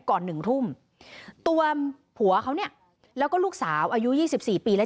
ก่อนหนึ่งทุ่มตัวผัวเขาเนี่ยแล้วก็ลูกสาวอายุ๒๔ปีแล้ว